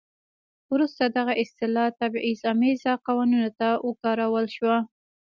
وروسته دغه اصطلاح تبعیض امیزه قوانینو ته وکارول شوه.